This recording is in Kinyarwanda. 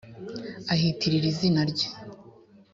ahitirira izina rye .